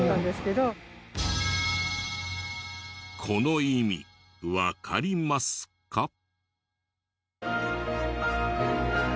この意味わかりますか？